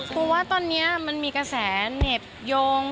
ปูว่าตอนนี้มันมีกระแสเหน่บโยง